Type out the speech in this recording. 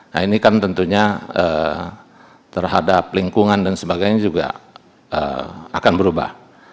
nah ini kan tentunya terhadap lingkungan dan sebagainya juga akan berubah